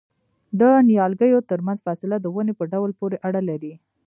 د نیالګیو ترمنځ فاصله د ونې په ډول پورې اړه لري؟